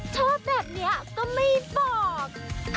ชอบแบบนี้ก็ไม่บอก